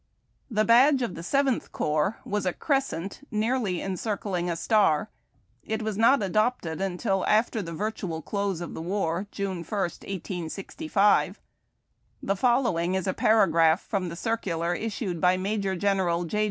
The badge of the Seventh Corps was a crescent nearly encircling a star. It was not adopted until after the virtual close of the war, June 1, 1865. The following is a para graph from the circular issued by Major General J.